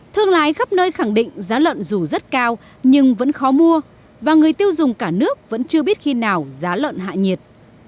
thương lái khắp nơi khẳng định giá lợn dù rất cao nhưng vẫn khó mua và người tiêu dùng cả nước vẫn chưa biết khi nào giá lợn hạ nhiệt